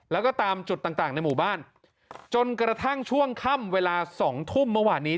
แล้วก็ตามจุดต่างต่างในหมู่บ้านจนกระทั่งช่วงค่ำเวลา๒ทุ่มเมื่อวานนี้